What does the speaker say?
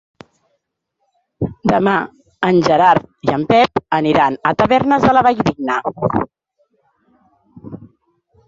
Demà en Gerard i en Pep aniran a Tavernes de la Valldigna.